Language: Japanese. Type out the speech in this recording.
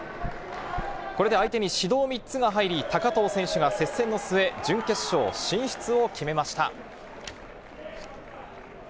これで相手に指導３つが入り、高藤選手が接戦の末、準決勝進出を決めました。